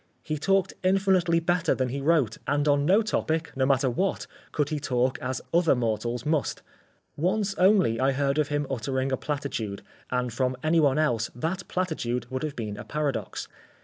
He talked infinitely better than he wrote, and on no topic, no matter what, could he talk as other mortals must. Once only I heard of him uttering a platitude and from any one else that platitude would have been a paradox.